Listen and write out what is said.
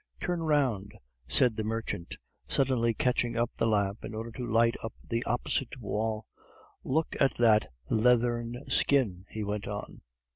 "Turn round," said the merchant, suddenly catching up the lamp in order to light up the opposite wall; "look at that leathern skin," he went on.